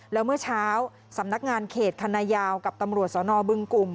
แล้วเมื่อเช้าสำนักงานเขตคณะยาวกับตำรวจสนบึงกลุ่ม